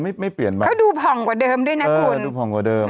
ไม่ไม่เปลี่ยนบัตรเขาดูผ่องกว่าเดิมด้วยนะคุณดูผ่องกว่าเดิม